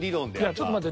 ちょっと待って。